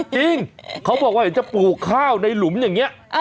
จริงเขาบอกว่าเห็นจะปลูกข้าวในหลุมอย่างนี้